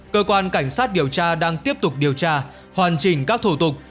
cơ quan cảnh sát điều tra đang tiếp tục điều tra hoàn chỉnh các thủ tục